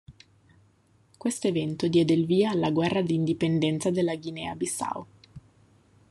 Questo evento diede il via alla guerra d'indipendenza della Guinea-Bissau.